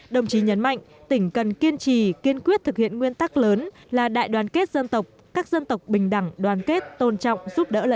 đồng chí nhấn mạnh tỉnh cần kiên trì kiên quyết thực hiện nguyên tắc lớn là đại đoàn kết dân tộc các dân tộc bình đẳng đoàn kết tôn trọng giúp đỡ lẫn nhau